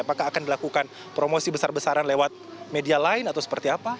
apakah akan dilakukan promosi besar besaran lewat media lain atau seperti apa